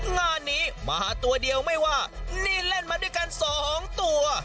งานนี้มาตัวเดียวไม่ว่านี่เล่นมาด้วยกันสองตัว